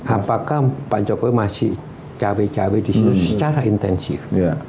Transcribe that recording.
apakah pak jokowi masih cabai cabai di sini secara intensif